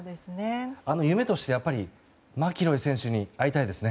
夢としてやっぱりマキロイ選手に会いたいですね。